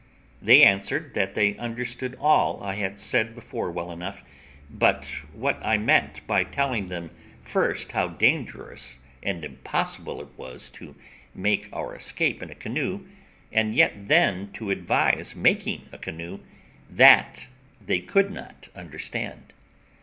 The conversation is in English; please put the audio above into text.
They answered, that they understood all I had said before well enough, but what I meant by telling them first how dangerous and impossible it was to make our escape in a canoe, and yet then to advise making a canoe, that they could not understand.